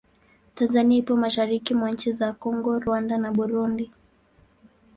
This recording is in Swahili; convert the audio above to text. Tanzania ipo mashariki mwa nchi za Kongo, Rwanda na Burundi.